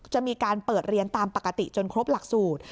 จะมีการเปิดเรียนตามปกติจนครบหลักสูตร